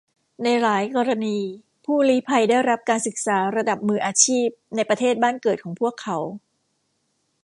ในหลายกรณีผู้ลี้ภัยได้รับการศึกษาระดับมืออาชีพในประเทศบ้านเกิดของพวกเขา